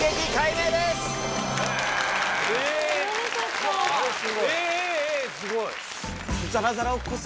えすごい。